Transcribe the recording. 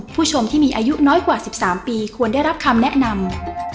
ผู้ชมที่มีอายุน้อยกว่า๑๓ปีควรได้รับคำแนะนำ